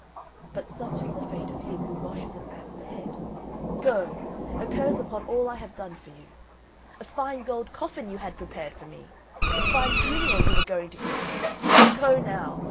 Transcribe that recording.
But such is the fate of him who washes an ass's head! Go! A curse upon all I have done for you! A fine gold coffin you had prepared for me! A fine funeral you were going to give me! Go, now!